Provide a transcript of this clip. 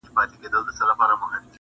o کوز په ټوخي نه ورکېږي!